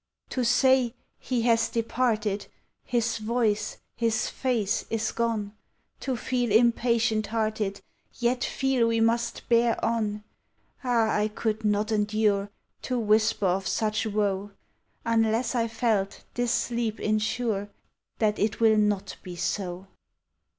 . To say, u lie has departed "—" His voice " his face "— is gone, To feel impatient hearted, Yet feel we must bear on, — Ah, I could not enduiv To whisper of such woe, Unless I felt this sleep insure That it will not be so.